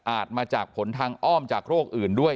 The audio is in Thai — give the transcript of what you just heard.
มาจากผลทางอ้อมจากโรคอื่นด้วย